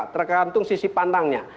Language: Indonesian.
tergantung sisi pandangnya